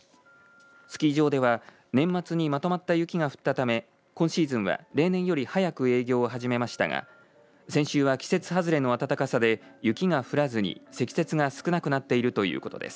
スキー場では年末にまとまった雪が降ったため今シーズンは例年より早く営業を始めましたが先週は季節外れの暖かさで雪が降らずに、積雪が少なくなっているということです。